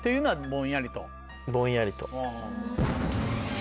ぼんやりと。